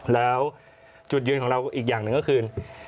แล้วจุดยืนของเราอีกอย่างหนึ่งก็คือ